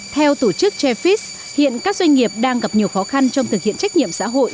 theo tổ chức jeffice hiện các doanh nghiệp đang gặp nhiều khó khăn trong thực hiện trách nhiệm xã hội